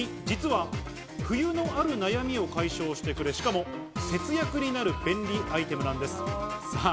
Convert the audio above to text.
実は冬のある悩みを解消してくれ、しかも節約になる便利アイテムなんです。